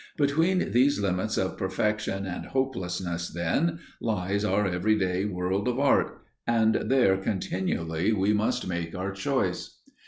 Between these limits of perfection and hopelessness, then, lies our every day world of art, and there continually we must make our choice.